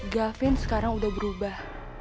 gavin sekarang udah berubah